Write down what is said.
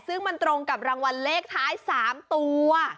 ซึ่งมันตรงกับรางวัลเลขท้าย๓ตัว